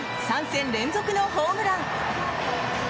３戦連続のホームラン。